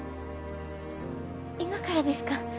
今からですか？